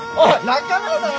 仲間だろ！